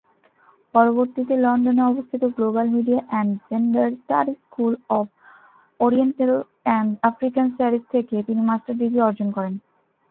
পরবর্তীতে লন্ডনে অবস্থিত global media and gender studies school of oriental and African studies থেকে তিনি মাস্টার্স ডিগ্রি অর্জন করেন।